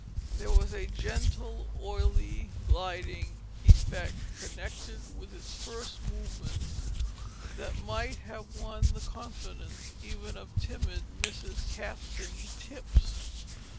There was a gentle, oily, gliding, effect connected with its first movements that might have won the confidence even of timid Mrs Captain Tipps.